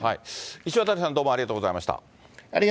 石渡さん、どうもありがとうございました。